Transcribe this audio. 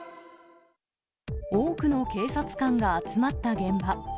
多くの警察官が集まった現場。